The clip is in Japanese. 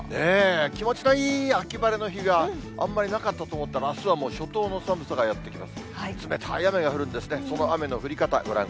気持ちのいい秋晴れの日が、あんまりなかったと思ったら、あすはもう初冬の寒さがやって来ます。